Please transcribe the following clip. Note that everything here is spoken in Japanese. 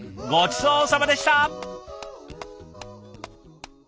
ごちそうさまでした。